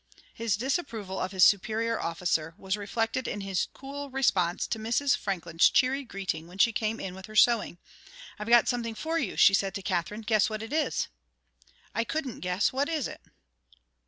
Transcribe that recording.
His disapproval of his superior officer was reflected in his cool response to Mrs. Franklin's cheery greeting when she came in with her sewing. "I've got something for you," she said to Katherine; "guess what it is!" "I couldn't guess what is it?"